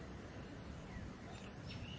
ตะบนนี้สวาไม้